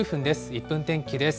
１分天気です。